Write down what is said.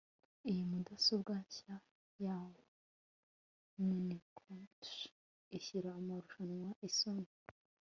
iyi mudasobwa nshya ya macintosh ishyira amarushanwa isoni